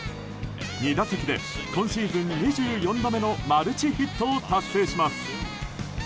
２打席で今シーズン２４度目のマルチヒットを達成します。